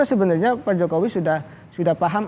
sebenarnya pak jokowi sudah paham